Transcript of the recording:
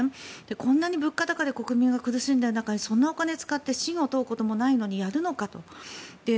こんなに物価高で国民が苦しんでいる中でそんなお金を使って信を問うこともないのにやるのかと。